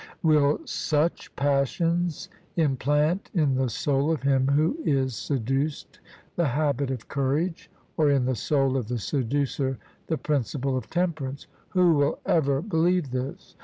Will such passions implant in the soul of him who is seduced the habit of courage, or in the soul of the seducer the principle of temperance? Who will ever believe this?